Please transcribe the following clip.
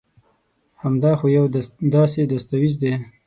هم دا خو يو داسي دستاويز دي